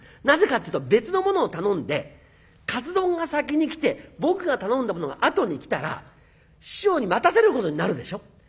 なぜかっていうと別のものを頼んでカツ丼が先に来て僕が頼んだものがあとに来たら師匠に待たせることになるでしょ。